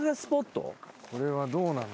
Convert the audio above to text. これはどうなの？